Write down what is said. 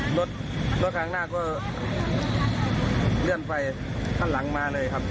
รถรถข้างหน้าก็เลื่อนไปข้างหลังมาเลยครับ